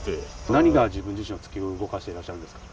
何が自分自身を突き動かしているんですか？